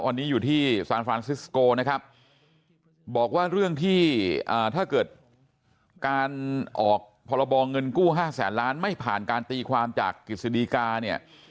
ตอนนี้อยู่ที่ซานฟรานซิสโกนะครับบอกว่าเรื่องที่ถ้าเกิดการออกพรบเงินกู้๕แสนล้านไม่ผ่านการตีความจากกฤษฎีกาเนี่ย